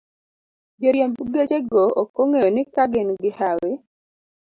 Joriemb gechego ok ong'eyo ni ka gin gi hawi